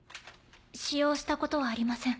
使用したことはありません。